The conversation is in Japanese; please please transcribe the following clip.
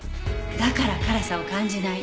だから辛さを感じない。